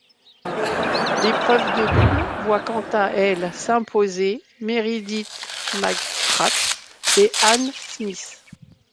L'épreuve de double voit quant à elle s'imposer Meredith McGrath et Anne Smith.